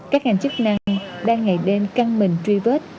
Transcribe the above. các ngành chức năng đang ngày đêm căng mình truy vết